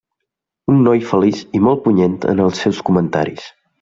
Un noi feliç i molt punyent en els seus comentaris.